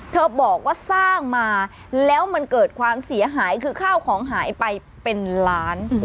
บอกว่าสร้างมาแล้วมันเกิดความเสียหายคือข้าวของหายไปเป็นล้าน